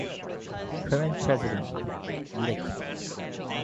Current President: Lic.